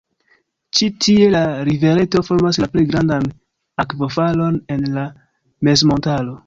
Ĉi-tie la rivereto formas la plej grandan akvofalon en la mezmontaro.